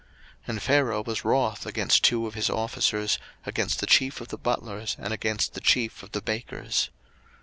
01:040:002 And Pharaoh was wroth against two of his officers, against the chief of the butlers, and against the chief of the bakers.